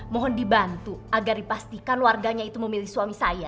mohon dibantu agar dipastikan warganya itu memilih suami saya